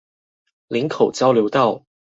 嶺口交流道